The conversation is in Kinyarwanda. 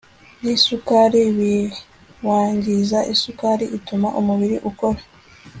nisukari biwangiza Isukari ituma umubiri ukora